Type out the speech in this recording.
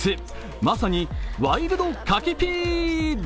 まさにワイルド・カキピード。